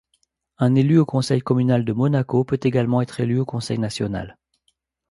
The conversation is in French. Un élu au conseil communal de Monaco peut également être élu au Conseil national.